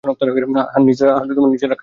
হ্যাঁ, নিচে রাখা আছে।